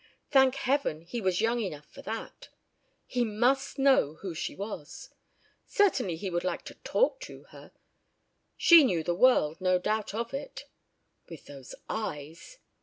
Thank Heaven he was young enough for that. He must know who she was. Certainly, he would like to talk to her. She knew the world, no doubt of it with those eyes!